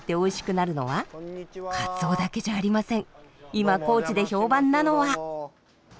今高知で評判なのは。